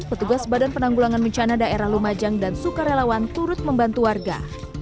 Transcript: petugas badan penanggulangan bencana daerah lumajang dan sukarelawan turut membantu warga